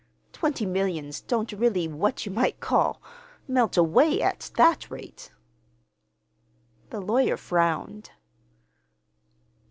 Twenty millions don't really what you might call melt away at that rate." The lawyer frowned.